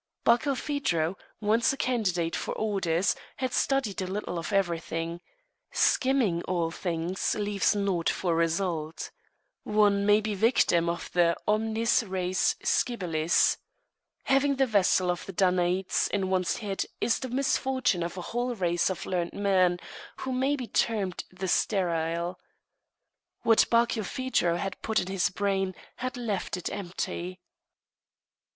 Barkilphedro, once a candidate for orders, had studied a little of everything. Skimming all things leaves naught for result. One may be victim of the omnis res scibilis. Having the vessel of the Danaïdes in one's head is the misfortune of a whole race of learned men, who may be termed the sterile. What Barkilphedro had put into his brain had left it empty.